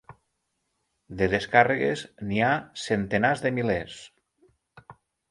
De descàrregues n’hi ha centenars de milers.